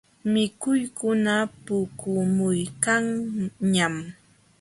Mikuykuna puqumuykanñam.